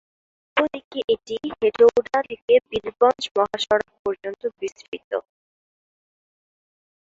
পূর্ব দিকে এটি হেটৌডা-বীরগঞ্জ মহাসড়ক পর্যন্ত বিস্তৃত।